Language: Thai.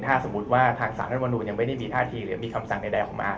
ถ้าสมมุติว่าทางสารรัฐมนุนยังไม่ได้มีท่าทีหรือมีคำสั่งใดออกมา